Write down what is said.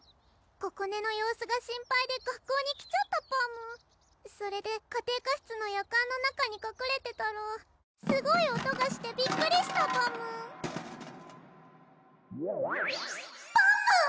ここねの様子が心配で学校に来ちゃったパムそれで家庭科室のヤカンの中にかくれてたらすごい音がしてびっくりしたパムパム！